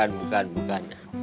bukan bukan bukan